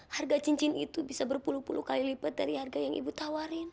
harga cincin itu bisa berpuluh puluh kali lipat dari harga yang ibu tawarin